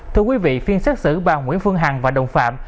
thưa quý vị phiên xác xử bà nguyễn phương hằng và đồng phạm